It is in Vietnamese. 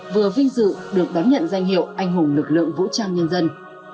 vừa vinh dự được đón nhận danh hiệu anh hùng lực lượng vũ trang nhân dân